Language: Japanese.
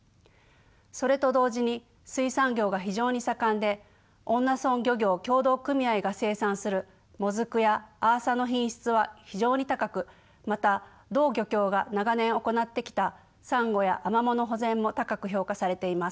それと同時に水産業が非常に盛んで恩納村漁業協同組合が生産するモズクやアーサの品質は非常に高くまた同漁協が長年行ってきたサンゴやアマモの保全も高く評価されています。